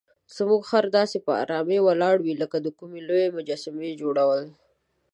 زموږ خر داسې په آرامۍ ولاړ وي لکه د کومې لویې مجسمې جوړول.